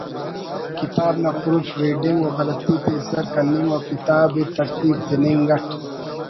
کتاب نا proof reading و غلطی تے ایسر کننگ و کتاب ئے ترتیب تننگ اٹ